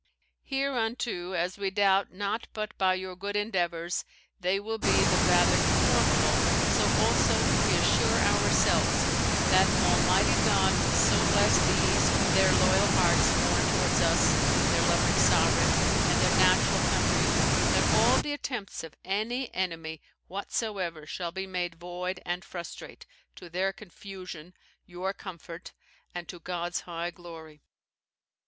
Hereunto as we doubt not but by your good endeavours they will be the rather conformable, so also we assure ourselves, that Almighty God will so bless these their loyal hearts borne towards us, their loving sovereign, and their natural country, that all the attempts of any enemy whatsoever shall be made void and frustrate, to their confusion, your comfort, and to God's high glory." [Strype, cited in Southey's Naval History.